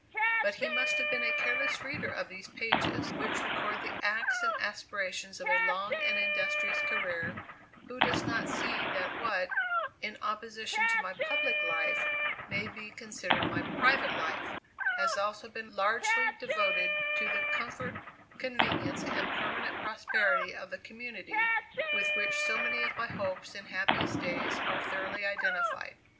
But he must have been a careless reader of these pages, which record the acts and aspirations of a long and industrious career, who does not see that what, in opposition to my "public life," may be considered my "private life," has also been largely devoted to the comfort, convenience, and permanent prosperity of the community with which so many of my hopes and happiest days are thoroughly identified.